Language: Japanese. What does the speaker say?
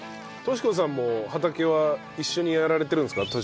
敏子さんも畑は一緒にやられてるんですか？